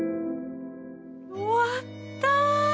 終わった。